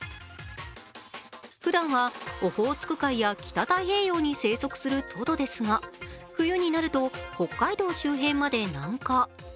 ふだんはオホーツク海や北太平洋に生息するトドですが冬になると北海道周辺まで南下。